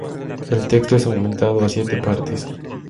El texto es aumentado a siete partes.